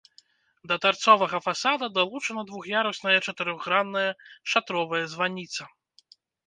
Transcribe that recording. Да тарцовага фасада далучана двух'ярусная чатырохгранная шатровая званіца.